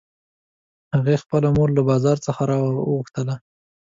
هغې خپله مور له بازار څخه راوغوښتله